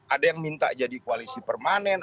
ada yang minta jadi koalisi permanen